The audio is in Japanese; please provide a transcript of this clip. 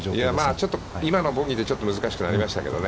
ちょっと今のボギーでちょっと難しくなりましたけれどもね。